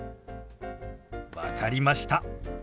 分かりました。